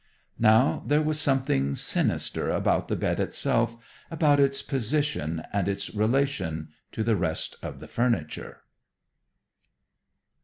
Now there was something sinister about the bed itself, about its position, and its relation to the rest of the furniture.